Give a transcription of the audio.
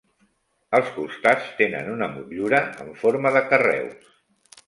Els costats tenen una motllura en forma de carreus.